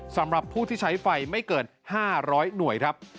สำหรับผู้ที่ใช้ไฟไม่เกิน๕๐๐หน่วยครับ